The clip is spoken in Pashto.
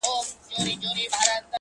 يعقوب عليه السلام وويل دا څنګه شرموښ وو؟